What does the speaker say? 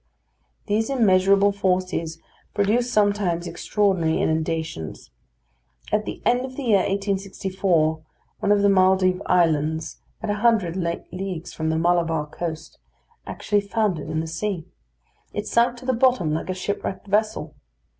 These immeasurable forces produce sometimes extraordinary inundations. At the end of the year 1864, one of the Maldive Islands, at a hundred leagues from the Malabar coast, actually foundered in the sea. It sunk to the bottom like a shipwrecked vessel.